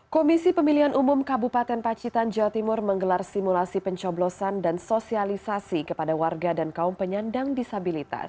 komisi pemilihan umum kabupaten pacitan jawa timur menggelar simulasi pencoblosan dan sosialisasi kepada warga dan kaum penyandang disabilitas